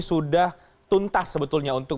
sudah tuntas sebetulnya untuk